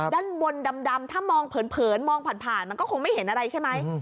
ด้านบนดำถ้ามองเผินมองผ่านมันก็คงไม่เห็นอะไรใช่ไหม